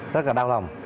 rất là đau lòng